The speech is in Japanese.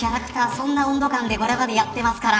そんな温度感でこれまでやってますから。